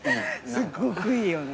すっごくいいよね。